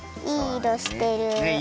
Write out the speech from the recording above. いいいろしてる。